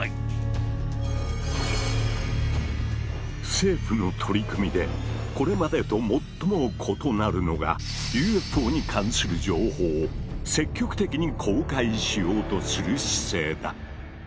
政府の取り組みでこれまでと最も異なるのがＵＦＯに関する情報を積極的に公開しようとする姿勢だ。